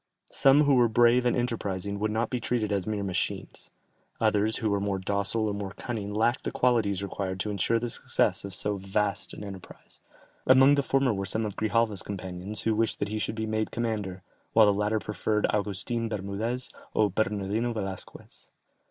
Some who were brave and enterprising would not be treated as mere machines; others who were more docile or more cunning lacked the qualities required to insure the success of so vast an enterprise; among the former were some of Grijalva's companions who wished that he should be made commander, while the latter preferred Augustin Bermudez or Bernardino Velasquez.